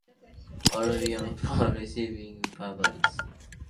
Arribas for receiving bribes and other gifts from Odebrecht.